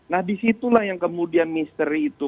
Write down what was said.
nah di situlah yang kemudian misteri itu